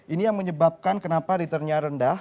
ini yang menyebabkan kenapa returnnya rendah